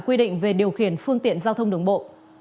quy định về điều khiển phương tiện giao thông đường bộ